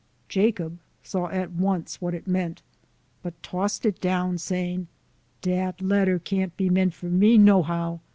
Jacob saw at once what it meant, but tossed it down, saying, " Dat letter can't be meant for me, no how.